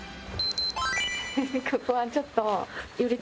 ここはちょっと。